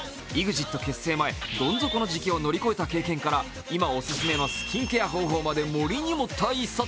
ＥＸＩＴ結成前、どん底の時期を乗り越えた経験から、今、お勧めのスキンケア方法まで盛りに盛った一冊。